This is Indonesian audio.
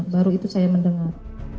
baru itu saya mendengar